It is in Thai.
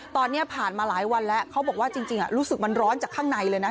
ตอนนี้ผ่านมาหลายวันแล้วเขาบอกว่าจริงรู้สึกมันร้อนจากข้างในเลยนะ